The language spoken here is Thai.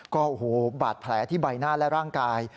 โอ้โหบาดแผลที่ใบหน้าและร่างกาย